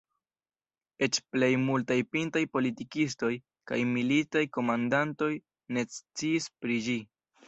Eĉ plej multaj pintaj politikistoj kaj militaj komandantoj ne sciis pri ĝi.